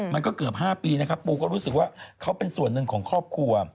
มันก็เกือบ๕ปีนะครับปูก็รู้สึกว่าเขาเป็นส่วนหนึ่งของครอบครัว